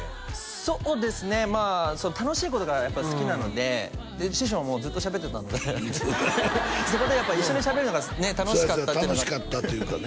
そうですね楽しいことがやっぱり好きなのでで師匠もずっとしゃべってたのでそこでやっぱり一緒にしゃべるのがね楽しかったっていうのがそやそや楽しかったというかね